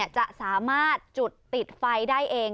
จะสามารถจุดติดไฟได้เอง